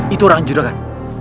itu orangnya juragan